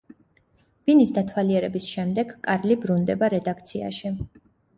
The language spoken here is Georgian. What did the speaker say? ბინის დათვალიერების შემდეგ, კარლი ბრუნდება რედაქციაში.